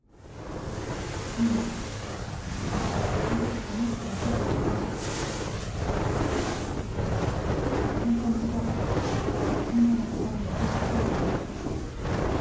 史也が「逃げちゃダメ」って教えてくれたから私ちゃんと向き合ってみんなの所に戻って来れたんです。